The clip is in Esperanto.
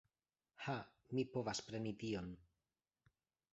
Ha, mi povas preni tion!